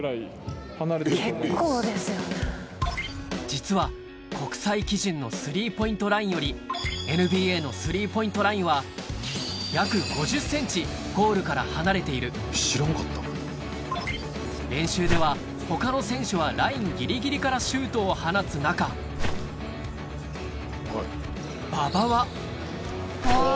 実は国際基準のスリーポイントラインよりＮＢＡのスリーポイントラインは約５０ｃｍゴールから離れている練習では他の選手はラインギリギリからシュートを放つ中馬場はうわ！